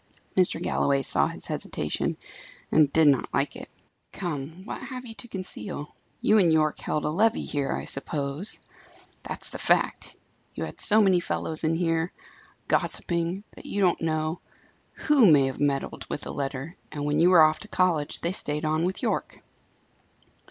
Mr. Galloway saw his hesitation, and did not like it. "Come, what have you to conceal? You and Yorke held a levee here, I suppose? That's the fact. You had so many fellows in here, gossiping, that you don't know who may have meddled with the letter; and when you were off to college, they stayed on with Yorke."